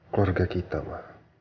keluarga kita ma